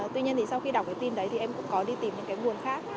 tuy nhiên thì sau khi đọc cái tin đấy thì em cũng có đi tìm những cái nguồn khác